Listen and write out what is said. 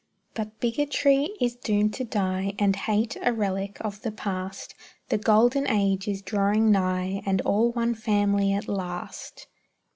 But bigotry is doomed to die, And hate, a relic of the past; The golden age is drawing nigh, And all one family at last!